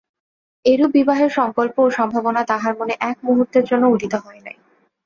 এরূপ বিবাহের সংকল্প ও সম্ভাবনা তাহার মনে এক মুহূর্তের জন্যও উদিত হয় নাই।